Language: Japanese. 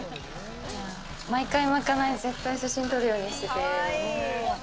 毎回まかない絶対写真撮るようにしてて。